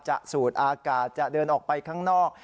สูดอากาศจะเดินออกไปข้างนอก